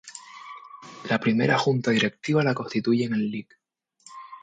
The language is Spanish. La primera junta directiva la constituyen el Lic.